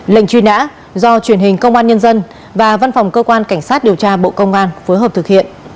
lệnh truy nã do truyền hình công an nhân dân và văn phòng cơ quan cảnh sát điều tra bộ công an phối hợp thực hiện